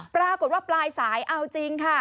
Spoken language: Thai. ปรากฏว่าปลายสายเอาจริงค่ะ